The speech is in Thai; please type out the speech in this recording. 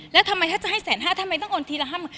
แล้วทำไมถ้าจะให้แสนห้าทำไมต้องโอนทีละ๕๐๐๐